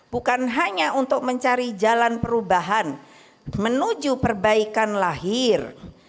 bukan hanya untuk mencari jalan perubahan menuju perbaikan lahir